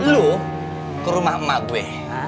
dulu ke rumah emak gue